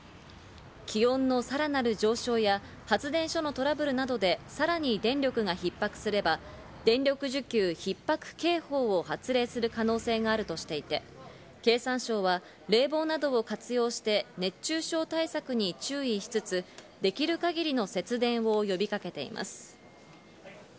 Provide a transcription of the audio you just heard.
気温のさらなる上昇や発電所のトラブルなどでさらに電力がひっ迫すれば、電力需給ひっ迫警報を発令する可能性があるとしていて、経産省は冷房など活用して熱中症対策に注意しつつ、できる限りの節電を呼びかけています。